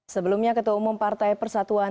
sebelumnya ketua umum partai persatuan